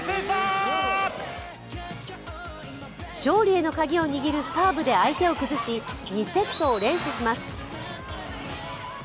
勝利へのカギを握るサーブで相手を崩し、２セットを連取します。